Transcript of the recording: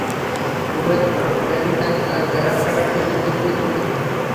বউয়ের photo, driving licence আর PAN card ছিলো ধীরে, ধীরে দুঃখিত।